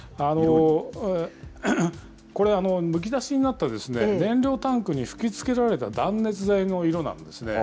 これ、むき出しになった燃料タンクに吹きつけられた断熱材の色なんですね。